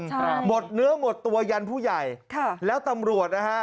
ครับหมดเนื้อหมดตัวยันผู้ใหญ่ค่ะแล้วตำรวจนะฮะ